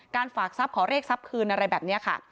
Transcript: ฝากทรัพย์ขอเรียกทรัพย์คืนอะไรแบบนี้ค่ะ